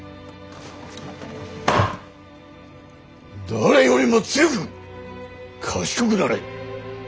誰よりも強く賢くなれ。